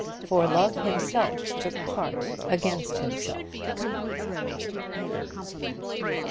"FOR LOVE HIMSELF TOOK PART AGAINST HIMSELF."